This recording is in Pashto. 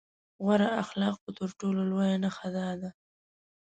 غوره اخلاقو تر ټولو لويه نښه دا ده.